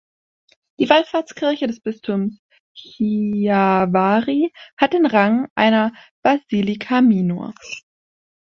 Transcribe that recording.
Die Wallfahrtskirche des Bistums Chiavari hat den Rang einer Basilica minor.